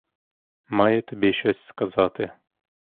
Маю тобі щось сказати.